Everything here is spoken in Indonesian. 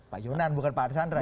pak yunan bukan pak arsandra